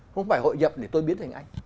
không phải hội nhập để tôi biến thành anh